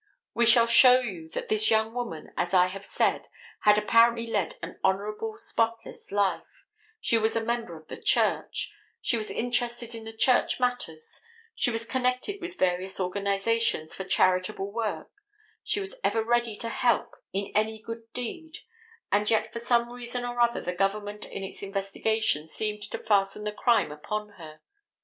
We shall show you that this young woman as I have said had apparently led an honorable, spotless life: she was a member of the church: she was interested in the church matters: she was connected with various organizations for charitable work: she was ever ready to help in any good thing, in any good deed, and yet for some reason or other the government in its investigation seemed to fasten the crime upon her.